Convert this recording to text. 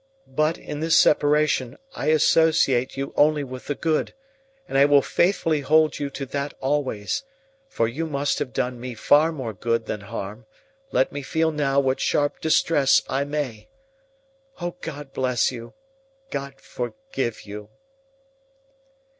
But, in this separation, I associate you only with the good; and I will faithfully hold you to that always, for you must have done me far more good than harm, let me feel now what sharp distress I may. O God bless you, God forgive you!"